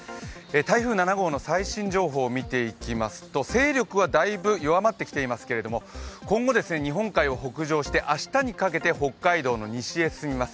台風７号の最新情報を見ていきますと勢力はだいぶ余話回ってきていますけど今後、日本海を北上して明日にかけて北海道の西へ進みます。